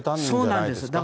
そうなんです。